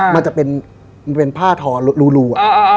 มันจะเป็นผ้าทอรู